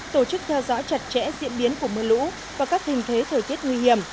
tổ chức theo dõi chặt chẽ diễn biến của mưa lũ và các hình thế thời tiết nguy hiểm